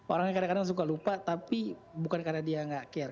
orangnya kadang kadang suka lupa tapi bukan karena dia nggak care